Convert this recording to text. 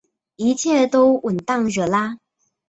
一切都妥当惹拉